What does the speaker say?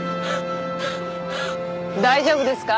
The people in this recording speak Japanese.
大丈夫ですか？